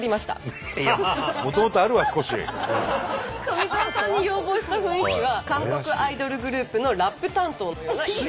富澤さんに要望した雰囲気は韓国アイドルグループのラップ担当のようなイメージ。